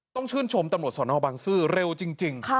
ต้องชื่นชมตำรวจสนบังซื้อเร็วจริง